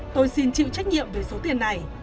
tôi xin chịu trách nhiệm về số tiền này